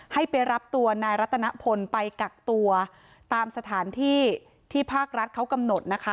ให้ไปรับตัวนายรัตนพลไปกักตัวตามสถานที่ที่ภาครัฐเขากำหนดนะคะ